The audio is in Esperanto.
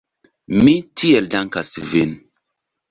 Mi tiel dankas vin.